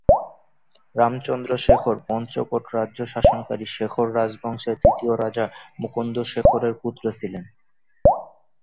রামচন্দ্র শেখর পঞ্চকোট রাজ্য শাসনকারী শেখর রাজবংশের তৃতীয় রাজা মুকুন্দ শেখরের পুত্র ছিলেন।